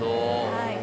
はい。